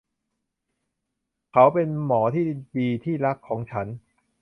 เขาเป็นหมอที่ดีที่รักของฉัน ?